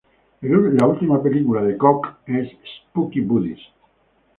La última película de Cox es "Spooky Buddies".